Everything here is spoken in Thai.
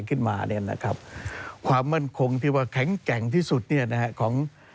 พอให้ใกล้ตัวคนก็ยิ่งมอง